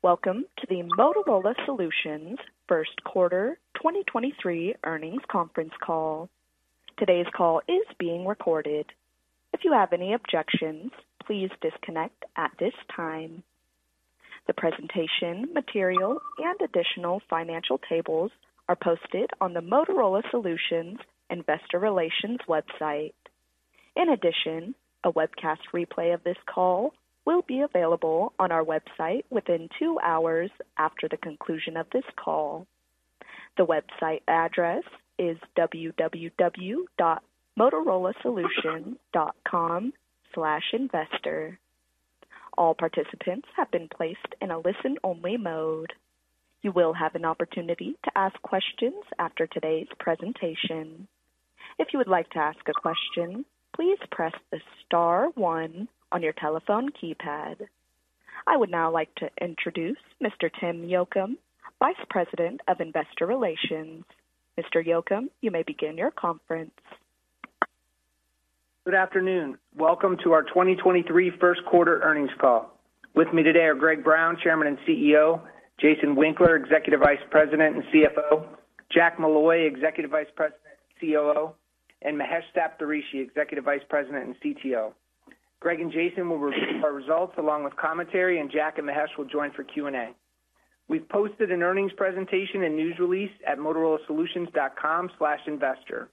Welcome to the Motorola Solutions first quarter 2023 earnings conference call. Today's call is being recorded. If you have any objections, please disconnect at this time. The presentation material and additional financial tables are posted on the Motorola Solutions investor relations website. A webcast replay of this call will be available on our website within two hours after the conclusion of this call. The website address is www.motorolasolutions.com/investor. All participants have been placed in a listen-only mode. You will have an opportunity to ask questions after today's presentation. If you would like to ask a question, please press the star one on your telephone keypad. I would now like to introduce Mr. Tim Yocum, Vice President of Investor Relations. Mr. Yocum, you may begin your conference. Good afternoon. Welcome to our 2023 first quarter earnings call. With me today are Greg Brown, Chairman and CEO, Jason Winkler, Executive Vice President and CFO, Jack Molloy, Executive Vice President and COO, and Mahesh Saptharishi, Executive Vice President and CTO. Greg and Jason will review our results along with commentary, and Jack and Mahesh will join for Q&A. We've posted an earnings presentation and news release at motorolasolutions.com/investor.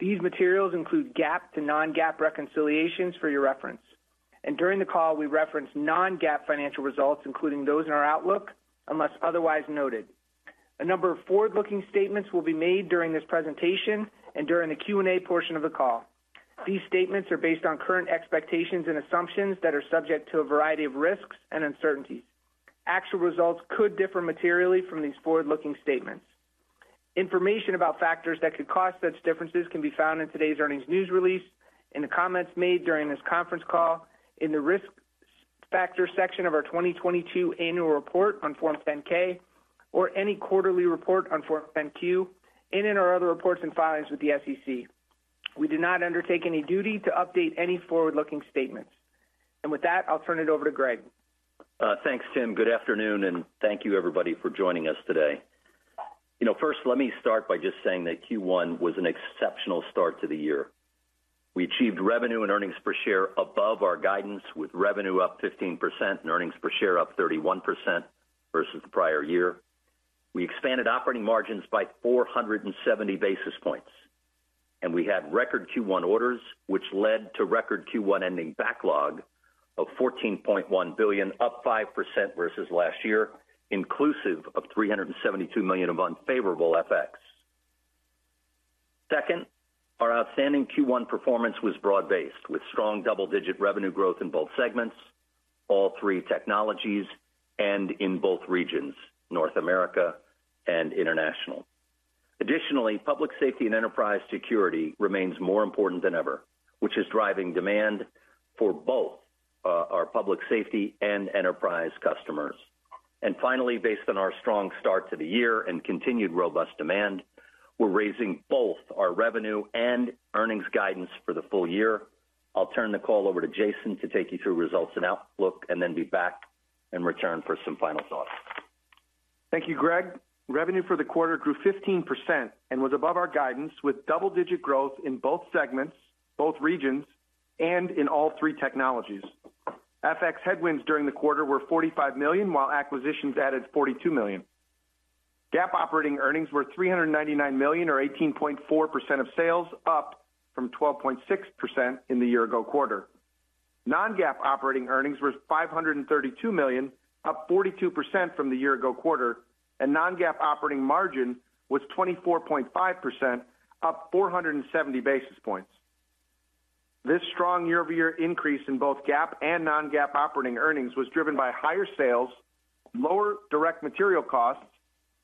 These materials include GAAP to non-GAAP reconciliations for your reference. During the call, we reference non-GAAP financial results, including those in our outlook, unless otherwise noted. A number of forward-looking statements will be made during this presentation and during the Q&A portion of the call. These statements are based on current expectations and assumptions that are subject to a variety of risks and uncertainties. Actual results could differ materially from these forward-looking statements. Information about factors that could cause such differences can be found in today's earnings news release, in the comments made during this conference call, in the risk factor section of our 2022 annual report on Form 10-K, or any quarterly report on Form 10-Q, and in our other reports and filings with the SEC. We do not undertake any duty to update any forward-looking statements. With that, I'll turn it over to Greg. Thanks, Tim. Good afternoon, and thank you, everybody, for joining us today. You know, first, let me start by just saying that Q1 was an exceptional start to the year. We achieved revenue and earnings per share above our guidance, with revenue up 15% and earnings per share up 31% versus the prior year. We expanded operating margins by 470 basis points, and we had record Q1 orders, which led to record Q1 ending backlog of $14.1 billion, up 5% versus last year, inclusive of $372 million of unfavorable FX. Second, our outstanding Q1 performance was broad-based, with strong double-digit revenue growth in both segments, all three technologies, and in both regions, North America and. Additionally, public safety and enterprise security remains more important than ever, which is driving demand for both our public safety and enterprise customers. Finally, based on our strong start to the year and continued robust demand, we're raising both our revenue and earnings guidance for the full year. I'll turn the call over to Jason to take you through results and outlook then be back in return for some final thoughts. Thank you, Greg. Revenue for the quarter grew 15% and was above our guidance, with double-digit growth in both segments, both regions, and in all three technologies. FX headwinds during the quarter were $45 million, while acquisitions added $42 million. GAAP operating earnings were $399 million or 18.4% of sales, up from 12.6% in the year-ago quarter. Non-GAAP operating earnings were $532 million, up 42% from the year-ago quarter, and non-GAAP operating margin was 24.5%, up 470 basis points. This strong year-over-year increase in both GAAP and non-GAAP operating earnings was driven by higher sales, lower direct material costs,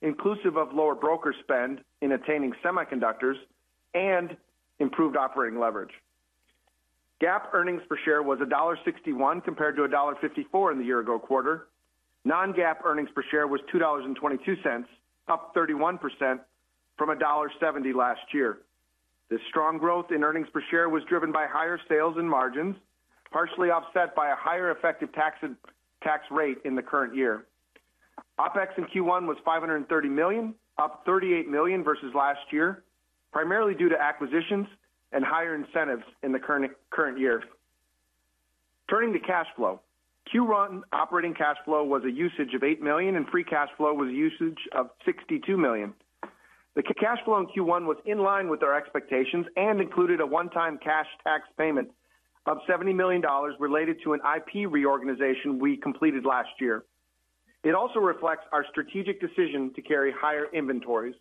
inclusive of lower broker spend in attaining semiconductors, and improved operating leverage. GAAP earnings per share was $1.61 compared to $1.54 in the year-ago quarter. Non-GAAP earnings per share was $2.22, up 31% from $1.70 last year. This strong growth in earnings per share was driven by higher sales and margins, partially offset by a higher effective tax rate in the current year. OpEx in Q1 was $530 million, up $38 million versus last year, primarily due to acquisitions and higher incentives in the current year. Turning to cash flow. Q1 operating cash flow was a usage of $8 million, and free cash flow was a usage of $62 million. The cash flow in Q1 was in line with our expectations and included a one-time cash tax payment of $70 million related to an IP reorganization we completed last year. It also reflects our strategic decision to carry higher inventories.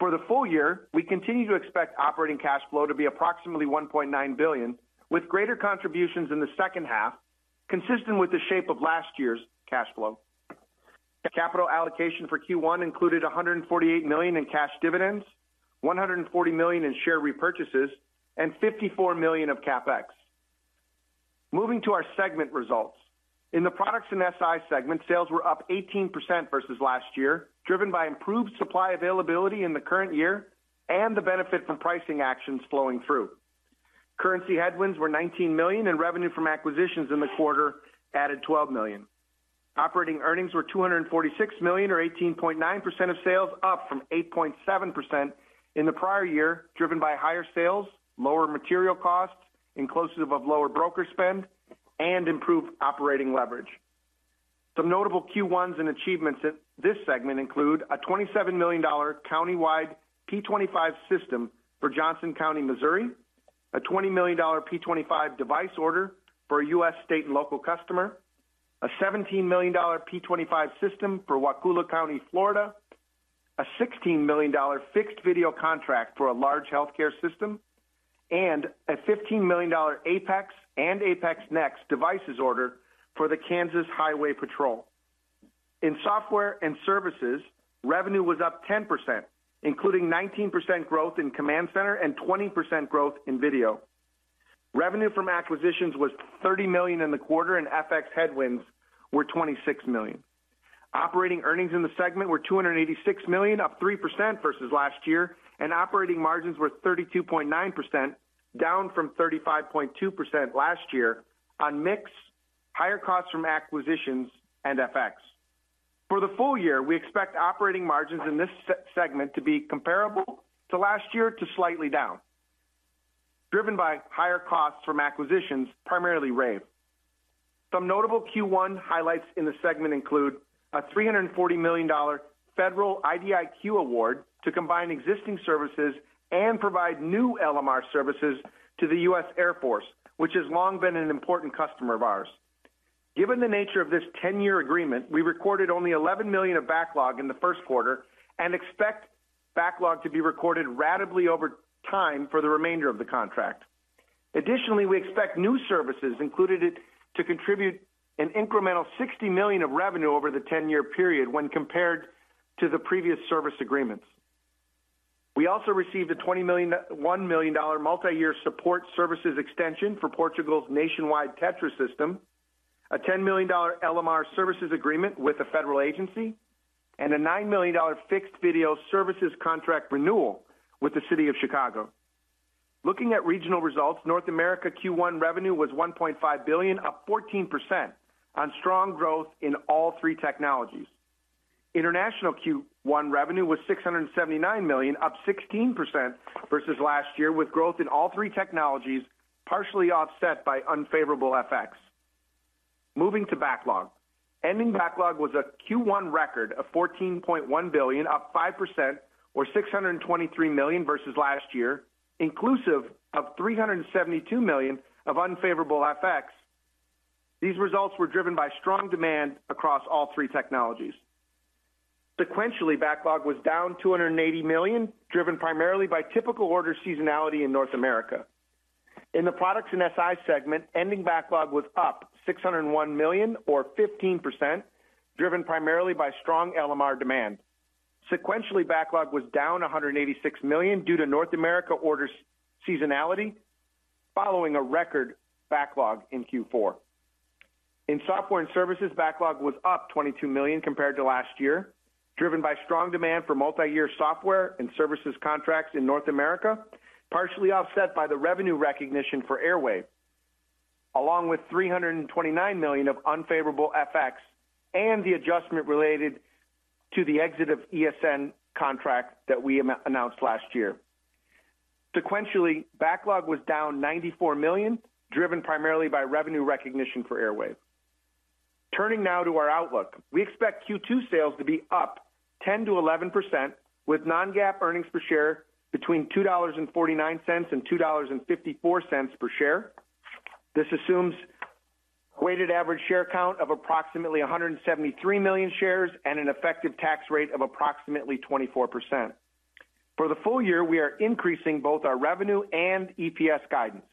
For the full year, we continue to expect operating cash flow to be approximately $1.9 billion, with greater contributions in the second half, consistent with the shape of last year's cash flow. The capital allocation for Q1 included $148 million in cash dividends, $140 million in share repurchases, and $54 million of CapEx. Moving to our segment results. In the Products and SI segment, sales were up 18% versus last year, driven by improved supply availability in the current year and the benefit from pricing actions flowing through. Currency headwinds were $19 million, and revenue from acquisitions in the quarter added $12 million. Operating earnings were $246 million or 18.9% of sales, up from 8.7% in the prior year, driven by higher sales, lower material costs inclusive of lower broker spend, and improved operating leverage. Some notable Q1 and achievements in this segment include a $27 million countywide P25 system for Johnson County, Missouri, a $20 million P25 device order for a U.S. state and local customer, a $17 million P25 system for Wakulla County, Florida, a $16 million fixed video contract for a large healthcare system, and a $15 million APX and APX NEXT devices order for the Kansas Highway Patrol. In software and services, revenue was up 10%, including 19% growth in Command Center and 20% growth in video. Revenue from acquisitions was $30 million in the quarter. FX headwinds were $26 million. Operating earnings in the segment were $286 million, up 3% versus last year, and operating margins were 32.9%, down from 35.2% last year on mix, higher costs from acquisitions and FX. For the full year, we expect operating margins in this segment to be comparable to last year to slightly down, driven by higher costs from acquisitions, primarily Rave. Some notable Q1 highlights in the segment include a $340 million federal IDIQ award to combine existing services and provide new LMR services to the U.S. Air Force, which has long been an important customer of ours. Given the nature of this 10-year agreement, we recorded only $11 million of backlog in the first quarter and expect backlog to be recorded ratably over time for the remainder of the contract. We expect new services included to contribute an incremental $60 million of revenue over the 10-year period when compared to the previous service agreements. We also received a $21 million multi-year support services extension for Portugal's nationwide TETRA system, a $10 million LMR services agreement with a federal agency, and a $9 million fixed video services contract renewal with the City of Chicago. Looking at regional results, North America Q1 revenue was $1.5 billion, up 14% on strong growth in all three technologies. International Q1 revenue was $679 million, up 16% versus last year, with growth in all three technologies, partially offset by unfavorable FX. Moving to backlog. Ending backlog was a Q1 record of $14.1 billion, up 5% or $623 million versus last year, inclusive of $372 million of unfavorable FX. These results were driven by strong demand across all three technologies. Sequentially, backlog was down $280 million, driven primarily by typical order seasonality in North America. In the Products and SI segment, ending backlog was up $601 million or 15%, driven primarily by strong LMR demand. Sequentially, backlog was down $186 million due to North America order seasonality following a record backlog in Q4. In software and services, backlog was up $22 million compared to last year, driven by strong demand for multi-year software and services contracts in North America, partially offset by the revenue recognition for Airwave, along with $329 million of unfavorable FX and the adjustment related to the exit of ESN contract that we announced last year. Sequentially, backlog was down $94 million, driven primarily by revenue recognition for Airwave. Turning now to our outlook. We expect Q2 sales to be up 10%-11% with non-GAAP earnings per share between $2.49 and $2.54 per share. This assumes weighted average share count of approximately 173 million shares and an effective tax rate of approximately 24%. For the full year, we are increasing both our revenue and EPS guidance.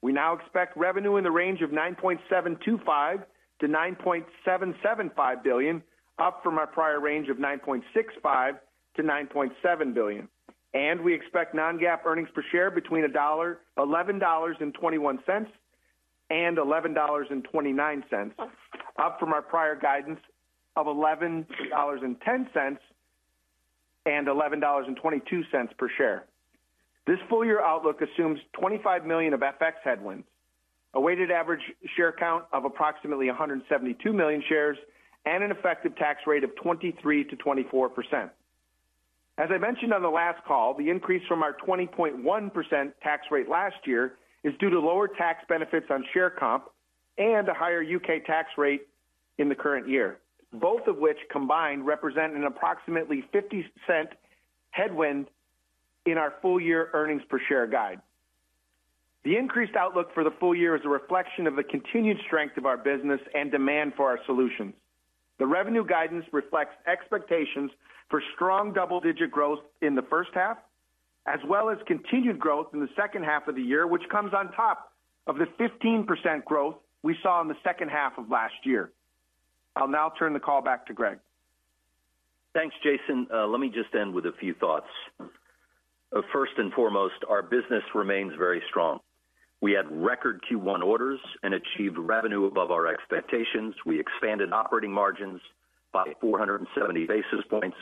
We now expect revenue in the range of $9.725 billion-$9.775 billion, up from our prior range of $9.65 billion-$9.7 billion. We expect non-GAAP earnings per share between $11.21 and $11.29, up from our prior guidance of $11.10 and $11.22 per share. This full year outlook assumes $25 million of FX headwinds, a weighted average share count of approximately 172 million shares, and an effective tax rate of 23%-24%. As I mentioned on the last call, the increase from our 20.1% tax rate last year is due to lower tax benefits on share comp and a higher U.K. tax rate in the current year, both of which combined represent an approximately $0.50 headwind in our full year EPS guide. The increased outlook for the full year is a reflection of the continued strength of our business and demand for our solutions. The revenue guidance reflects expectations for strong double-digit growth in the first half, as well as continued growth in the second half of the year, which comes on top of the 15% growth we saw in the second half of last year. I'll now turn the call back to Greg. Thanks, Jason. Let me just end with a few thoughts. First and foremost, our business remains very strong. We had record Q1 orders and achieved revenue above our expectations. We expanded operating margins by 470 basis points.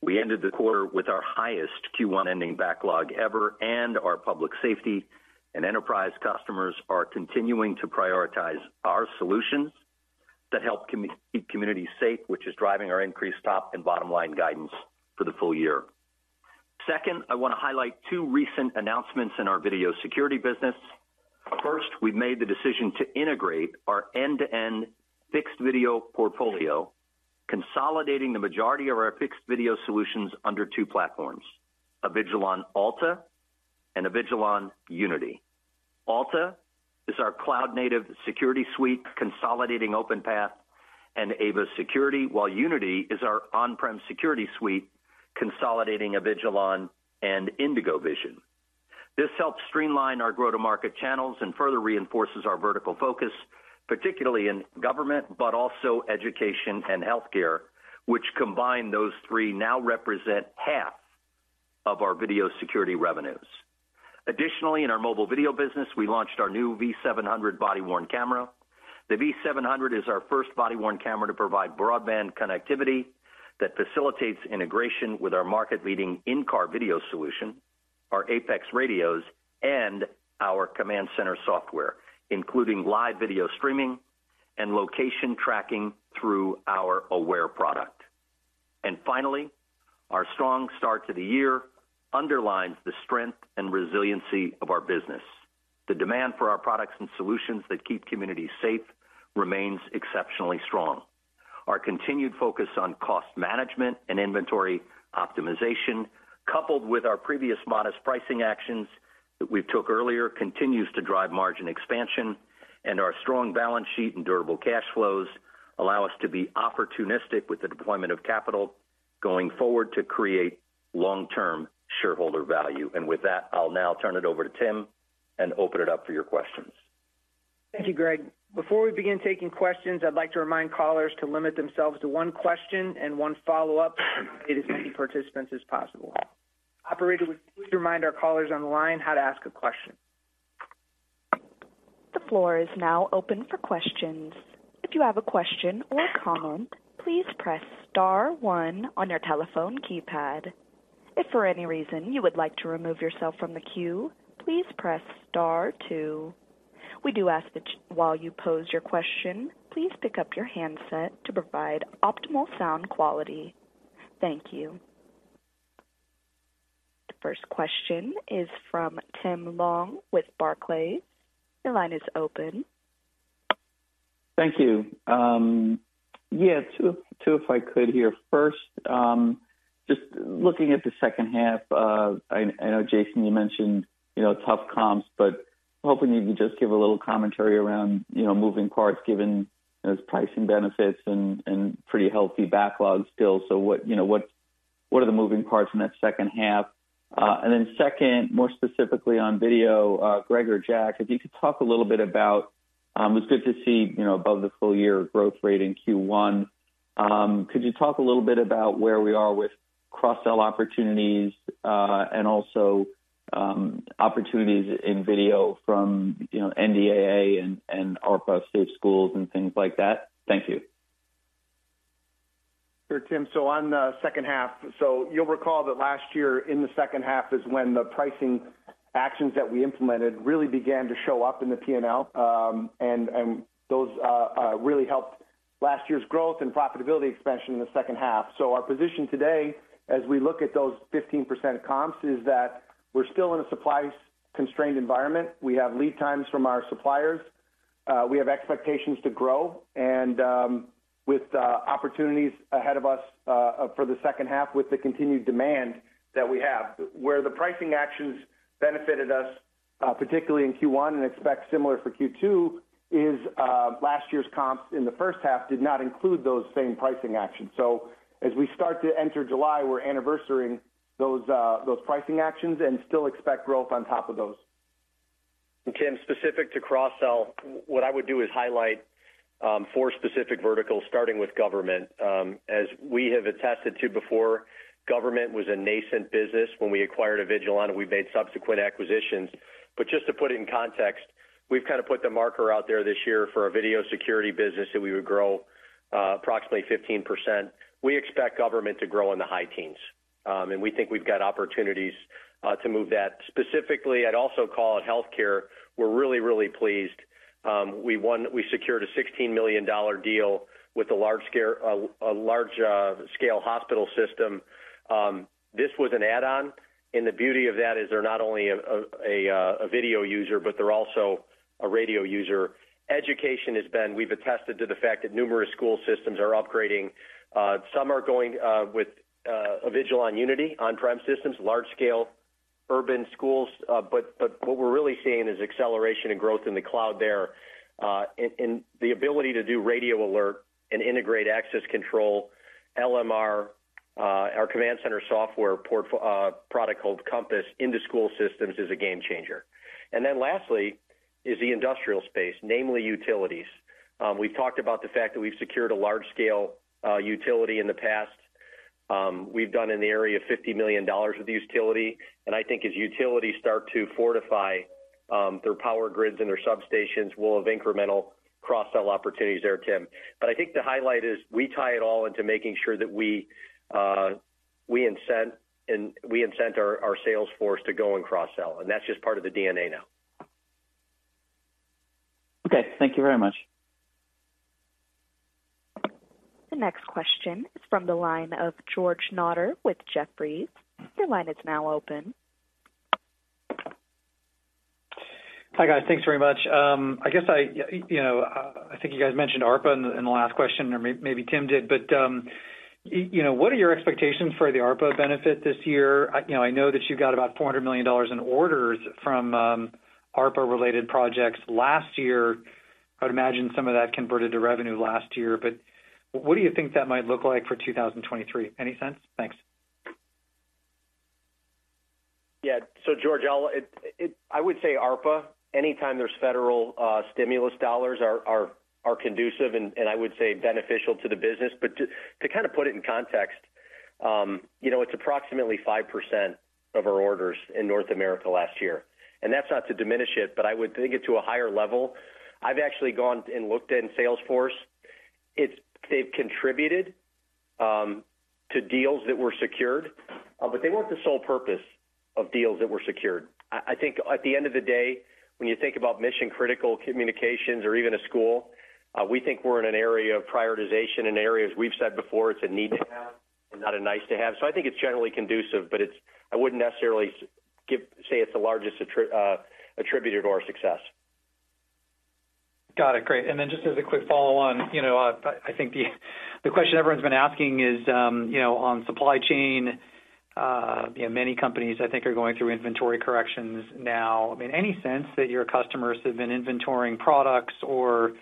We ended the quarter with our highest Q1 ending backlog ever, and our public safety and enterprise customers are continuing to prioritize our solutions that help keep communities safe, which is driving our increased top and bottom-line guidance for the full year. Second, I wanna highlight two recent announcements in our video security business. First, we made the decision to integrate our end-to-end fixed video portfolio, consolidating the majority of our fixed video solutions under two platforms, Avigilon Alta and Avigilon Unity. Alta is our cloud-native security suite consolidating Openpath and Ava Security, while Unity is our on-premise security suite consolidating Avigilon and IndigoVision. This helps streamline our go-to-market channels and further reinforces our vertical focus, particularly in government, but also education and healthcare, which combine those three now represent half of our video security revenues. Additionally, in our mobile video business, we launched our new V700 body-worn camera. The V700 is our first body-worn camera to provide broadband connectivity that facilitates integration with our market-leading in-car video solution, our APX radios and our Command Center software, including live video streaming and location tracking through our Aware product. Finally, our strong start to the year underlines the strength and resiliency of our business. The demand for our products and solutions that keep communities safe remains exceptionally strong. Our continued focus on cost management and inventory optimization, coupled with our previous modest pricing actions that we took earlier, continues to drive margin expansion, and our strong balance sheet and durable cash flows allow us to be opportunistic with the deployment of capital going forward to create long-term shareholder value. With that, I'll now turn it over to Tim and open it up for your questions. Thank you, Greg. Before we begin taking questions, I'd like to remind callers to limit themselves to one question and one follow-up to accommodate as many participants as possible. Operator, would you please remind our callers on the line how to ask a question? The floor is now open for questions. If you have a question or comment, please press star one on your telephone keypad. If for any reason you would like to remove yourself from the queue, please press star two. We do ask that while you pose your question, please pick up your handset to provide optimal sound quality. Thank you. The first question is from Tim Long with Barclays. Your line is open. Thank you. Yeah, two if I could here. First, just looking at the second half, I know, Jason, you mentioned, you know, tough comps, but hoping you could just give a little commentary around, you know, moving parts given those pricing benefits and pretty healthy backlog still. What, you know, what are the moving parts in that second half? Second, more specifically on video, Greg or Jack, if you could talk a little bit about, it's good to see, you know, above the full-year growth rate in Q1. Could you talk a little bit about where we are with cross-sell opportunities, and also, opportunities in video from, you know, NDAA and ARPA Safe Schools and things like that? Thank you. Sure, Tim. On the second half, you'll recall that last year in the second half is when the pricing actions that we implemented really began to show up in the P&L. And those really helped last year's growth and profitability expansion in the second half. Our position today, as we look at those 15% comps, is that we're still in a supply-constrained environment. We have lead times from our suppliers. We have expectations to grow and with opportunities ahead of us for the second half with the continued demand that we have. Where the pricing actions benefited us, particularly in Q1 and expect similar for Q2 is last year's comps in the first half did not include those same pricing actions. As we start to enter July, we're anniversarying those pricing actions and still expect growth on top of those. Tim, specific to cross-sell, what I would do is highlight four specific verticals starting with government. As we have attested to before, government was a nascent business when we acquired Avigilon, and we made subsequent acquisitions. Just to put it in context, we've kind of put the marker out there this year for our video security business that we would grow approximately 15%. We expect government to grow in the high teens, and we think we've got opportunities to move that. Specifically, I'd also call it healthcare. We're really, really pleased. We secured a $16 million deal with a large scale hospital system. This was an add-on, and the beauty of that is they're not only a video user, but they're also a radio user. Education has been, we've attested to the fact that numerous school systems are upgrading. Some are going with Avigilon Unity on-premise systems, large-scale urban schools. What we're really seeing is acceleration and growth in the cloud there. The ability to do radio alert and integrate access control, LMR, our Command Center software product called Compass into school systems is a game changer. Lastly is the industrial space, namely utilities. We've talked about the fact that we've secured a large-scale utility in the past. We've done in the area of $50 million with the utility. I think as utilities start to fortify their power grids and their substations, we'll have incremental cross-sell opportunities there, Tim. I think the highlight is we tie it all into making sure that we incent our sales force to go and cross-sell, and that's just part of the DNA now. Okay. Thank you very much. The next question is from the line of George Notter with Jefferies. Your line is now open. Hi, guys. Thanks very much. I guess I, you know, I think you guys mentioned ARPA in the last question or maybe Tim did, but, you know, what are your expectations for the ARPA benefit this year? I, you know, I know that you've got about $400 million in orders from ARPA related projects last year. I'd imagine some of that converted to revenue last year, but what do you think that might look like for 2023? Any sense? Thanks. Yeah. George, I'll I would say ARPA, anytime there's federal stimulus dollars are conducive and I would say beneficial to the business. To kind of put it in context, you know, it's approximately 5% of our orders in North America last year, and that's not to diminish it. I would take it to a higher level. I've actually gone and looked in Salesforce. They've contributed to deals that were secured, but they weren't the sole purpose of deals that were secured. I think at the end of the day, when you think about mission-critical communications or even a school, we think we're in an area of prioritization. In areas we've said before, it's a need to have and not a nice to have. I think it's generally conducive, but it's I wouldn't necessarily say it's the largest attributed to our success. Got it. Great. Then just as a quick follow on, you know, I think the question everyone's been asking is, you know, on supply chain, you know, many companies I think are going through inventory corrections now. I mean, any sense that your customers have been inventorying products or,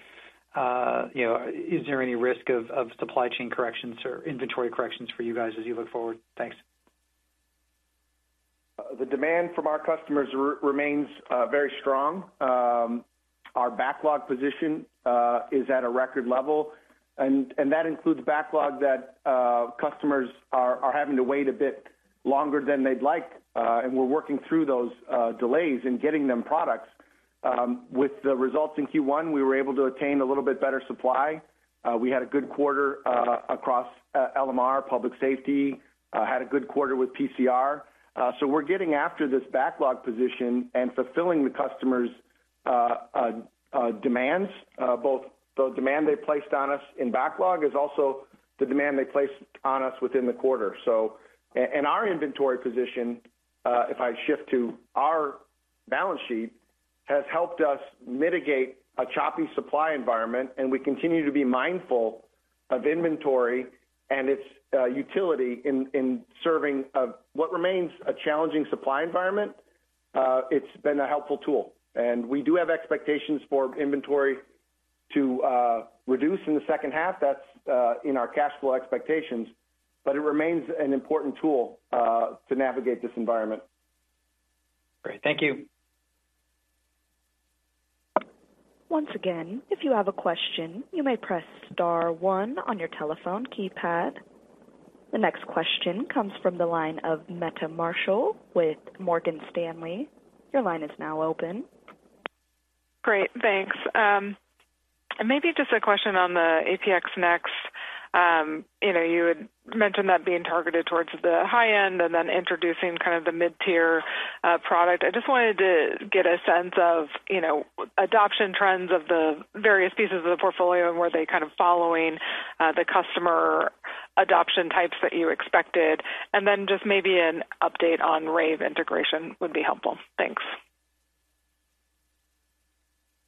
you know, is there any risk of supply chain corrections or inventory corrections for you guys as you look forward? Thanks. The demand from our customers remains very strong. Our backlog position is at a record level, and that includes backlog that customers are having to wait a bit longer than they'd like, and we're working through those delays in getting them products. With the results in Q1, we were able to attain a little bit better supply. We had a good quarter across LMR, Public Safety, had a good quarter with PCR. We're getting after this backlog position and fulfilling the customers' demands, both the demand they placed on us in backlog, is also the demand they placed on us within the quarter. And our inventory position, if I shift to our balance sheet, has helped us mitigate a choppy supply environment, and we continue to be mindful of inventory and its utility in serving what remains a challenging supply environment. It's been a helpful tool, and we do have expectations for inventory to reduce in the second half. That's in our cash flow expectations, but it remains an important tool to navigate this environment. Great. Thank you. Once again, if you have a question, you may press star one on your telephone keypad. The next question comes from the line of Meta Marshall with Morgan Stanley. Your line is now open. Great, thanks. Maybe just a question on the APX NEXT. You know, you had mentioned that being targeted towards the high end and then introducing kind of the mid-tier product. I just wanted to get a sense of, you know, adoption trends of the various pieces of the portfolio and were they kind of following the customer adoption types that you expected? Then just maybe an update on Rave integration would be helpful. Thanks.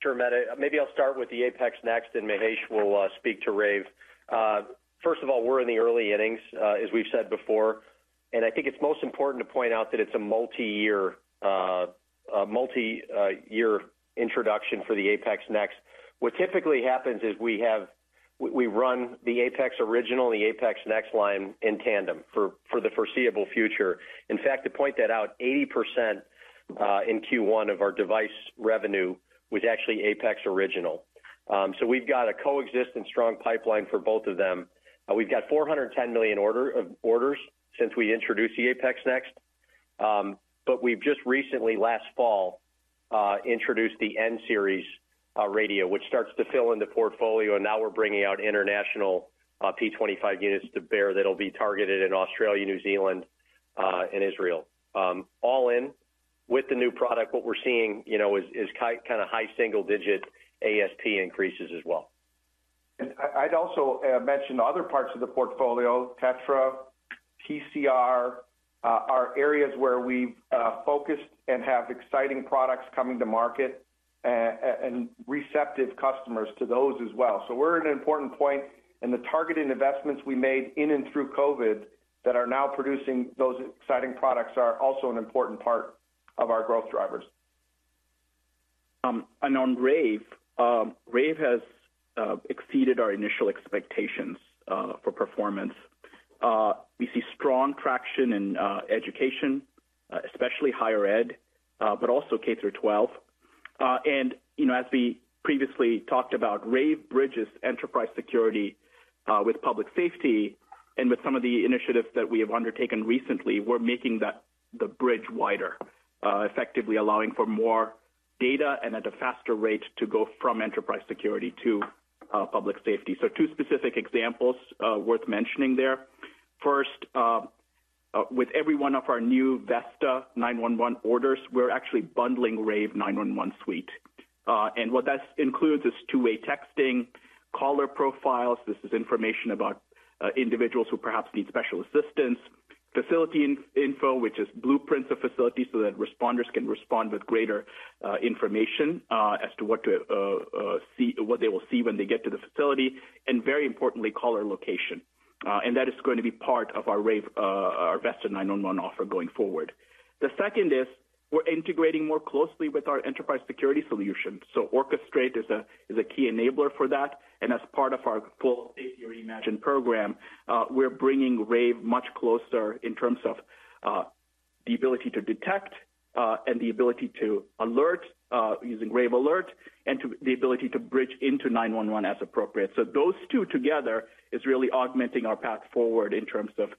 Sure, Meta. Maybe I'll start with the APX NEXT, and Mahesh will speak to Rave. First of all, we're in the early innings, as we've said before, and I think it's most important to point out that it's a multi-year, a multi-year introduction for the APX NEXT. What typically happens is we run the APX original and the APX NEXT line in tandem for the foreseeable future. In fact, to point that out, 80% in Q1 of our device revenue was actually APX original. We've got a coexistent strong pipeline for both of them. We've got $410 million order orders since we introduced the APX NEXT. We've just recently, last fall, introduced the N-series radio, which starts to fill in the portfolio, and now we're bringing out international P25 units to bear that'll be targeted in Australia, New Zealand, and Israel. All in with the new product, what we're seeing, you know, is kind of high single-digit ASP increases as well. I'd also mention other parts of the portfolio, TETRA, PCR, are areas where we've focused and have exciting products coming to market and receptive customers to those as well. We're at an important point in the targeted investments we made in and through COVID that are now producing those exciting products are also an important part of our growth drivers. On Rave has exceeded our initial expectations for performance. We see strong traction in education, especially higher ed, but also K-12. You know, as we previously talked about, Rave bridges enterprise security with public safety and with some of the initiatives that we have undertaken recently, we're making the bridge wider, effectively allowing for more data and at a faster rate to go from enterprise security to public safety. Two specific examples worth mentioning there. First, with every one of our new VESTA 9-1-1 orders, we're actually bundling Rave 911 Suite. What that includes is two-way texting, caller profiles. This is information about individuals who perhaps need special assistance. Facility in-info, which is blueprints of facilities, so that responders can respond with greater information as to what to see, what they will see when they get to the facility, and very importantly, caller location. That is going to be part of our Rave, our VESTA 9-1-1 offer going forward. The second is we're integrating more closely with our enterprise security solution. Orchestrate is a key enabler for that, and as part of our full Safety Reimagined program, we're bringing Rave much closer in terms of the ability to detect and the ability to alert using Rave Alert and to the ability to bridge into 9-1-1 as appropriate. Those two together is really augmenting our path forward in terms of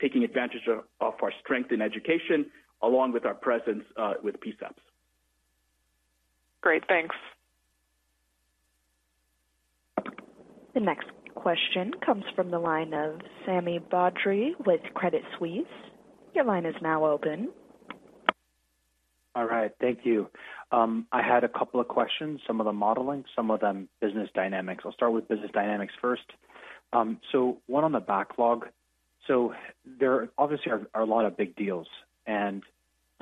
taking advantage of our strength in education along with our presence with PSAPs. Great. Thanks. The next question comes from the line of Sami Badri with Credit Suisse. Your line is now open. All right. Thank you. I had a couple of questions, some of them modeling, some of them business dynamics. I'll start with business dynamics first. One on the backlog. There obviously are a lot of big deals, and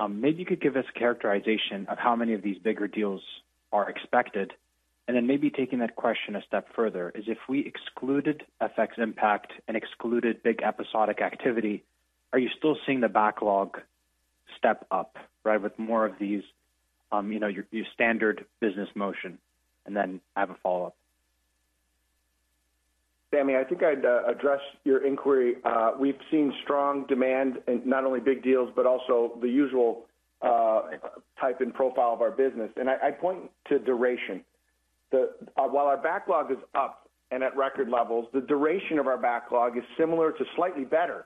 maybe you could give us characterization of how many of these bigger deals are expected? Maybe taking that question a step further is if we excluded FX impact and excluded big episodic activity, are you still seeing the backlog step up, right, with more of these, you know, your standard business motion? I have a follow-up. Sami, I think I'd address your inquiry. We've seen strong demand in not only big deals, but also the usual type and profile of our business. I point to duration. While our backlog is up and at record levels, the duration of our backlog is similar to slightly better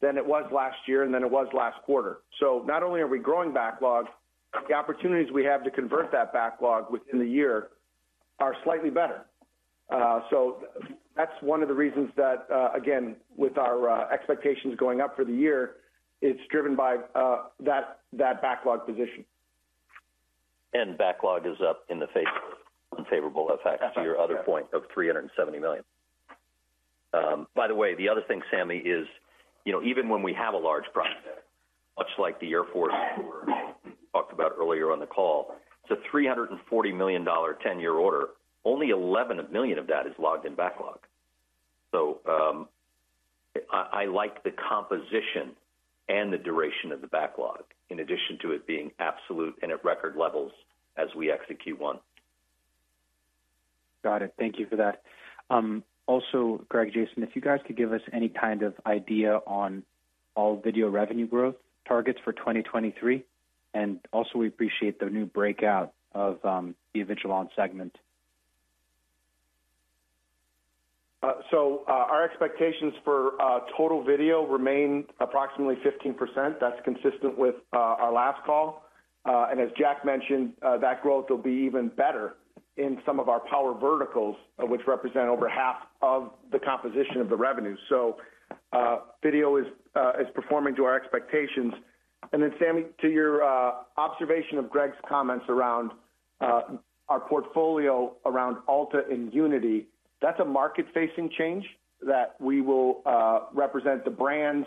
than it was last year and than it was last quarter. Not only are we growing backlog, the opportunities we have to convert that backlog within the year are slightly better. That's one of the reasons that again, with our expectations going up for the year, it's driven by that backlog position. Backlog is up in the face of unfavorable FX to your other point of $370 million. By the way, the other thing, Sami, is, you know, even when we have a large project, much like the Air Force order we talked about earlier on the call, it's a $340 million 10-year order. Only $11 million of that is logged in backlog. I like the composition and the duration of the backlog in addition to it being absolute and at record levels as we execute one. Got it. Thank you for that. Greg, Jason, if you guys could give us any kind of idea on all video revenue growth targets for 2023, and also we appreciate the new breakout of the Avigilon segment. Our expectations for total video remain approximately 15%. That's consistent with our last call. As Jack mentioned, that growth will be even better in some of our power verticals, which represent over half of the composition of the revenue. Video is performing to our expectations. Sami, to your observation of Greg's comments around our portfolio around Alta and Unity, that's a market-facing change that we will represent the brands,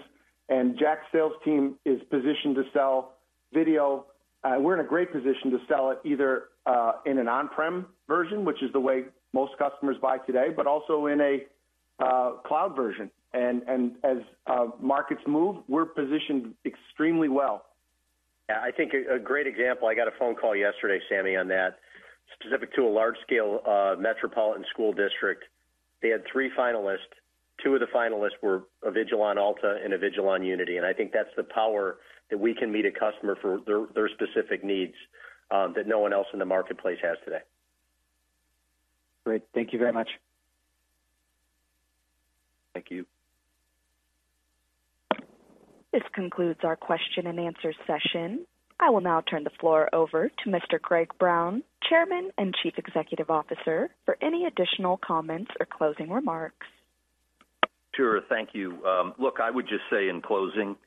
and Jack's sales team is positioned to sell video. We're in a great position to sell it either in an on-prem version, which is the way most customers buy today, but also in a cloud version. As markets move, we're positioned extremely well. Yeah. I think a great example, I got a phone call yesterday, Sami, on that specific to a large-scale Metropolitan School District. They had three finalists. Two of the finalists were Avigilon Alta and Avigilon Unity, and I think that's the power that we can meet a customer for their specific needs, that no one else in the marketplace has today. Great. Thank you very much. Thank you. This concludes our question-and-answer session. I will now turn the floor over to Mr. Greg Brown, Chairman and Chief Executive Officer, for any additional comments or closing remarks. Sure. Thank you. Look, I would just say in closing,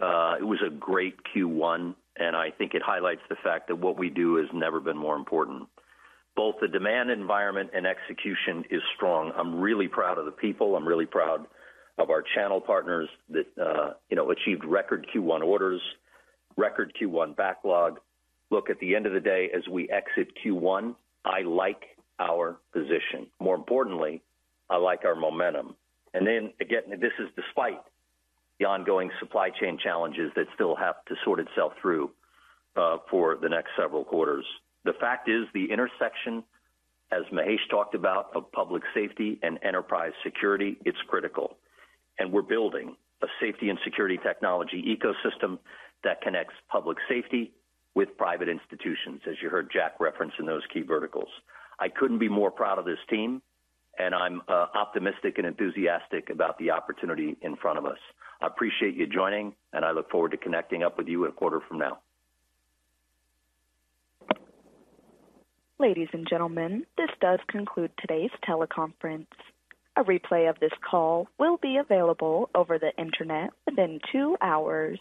it was a great Q1, I think it highlights the fact that what we do has never been more important. Both the demand environment and execution is strong. I'm really proud of the people. I'm really proud of our channel partners that, you know, achieved record Q1 orders, record Q1 backlog. Look, at the end of the day, as we exit Q1, I like our position. More importantly, I like our momentum. Again, this is despite the ongoing supply chain challenges that still have to sort itself through for the next several quarters. The fact is the intersection, as Mahesh talked about, of public safety and enterprise security, it's critical. We're building a safety and security technology ecosystem that connects public safety with private institutions, as you heard Jack reference in those key verticals. I couldn't be more proud of this team, and I'm optimistic and enthusiastic about the opportunity in front of us. I appreciate you joining, and I look forward to connecting up with you a quarter from now. Ladies and gentlemen, this does conclude today's teleconference. A replay of this call will be available over the Internet within two hours.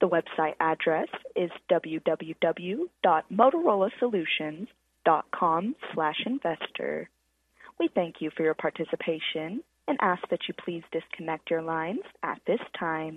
The website address is www.motorolasolutions.com/investor. We thank you for your participation and ask that you please disconnect your lines at this time.